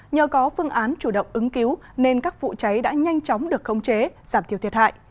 nhờ có phương án chủ động ứng cứu nên các vụ cháy đã nhanh chóng được khống chế giảm thiểu thiệt hại